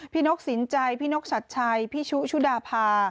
นกสินใจพี่นกชัดชัยพี่ชุชุดาพา